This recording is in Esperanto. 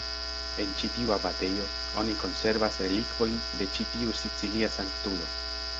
En ĉi tiu abatejo oni konservas relikvojn de ĉi tiu sicilia sanktulo.